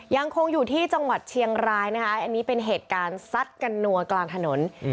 ยังคงอยู่ที่จังหวัดเชียงรายนะคะอันนี้เป็นเหตุการณ์ซัดกันนัวกลางถนน